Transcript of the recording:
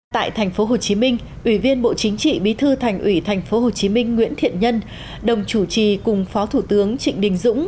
tại tp hcm ủy viên bộ chính trị bí thư thành ủy tp hcm nguyễn thiện nhân đồng chủ trì cùng phó thủ tướng trịnh đình dũng